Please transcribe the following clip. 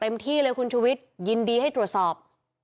ที่เลยคุณชุวิตยินดีให้ตรวจสอบ